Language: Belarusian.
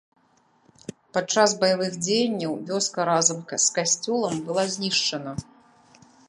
Пад час баявых дзеянняў вёска разам з касцёлам была знішчана.